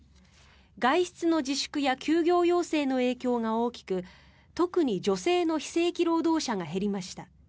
外出の自粛や休業要請の影響が大きく特に女性の非正規労働者が減りました。